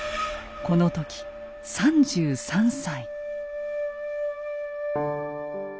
この時３３歳。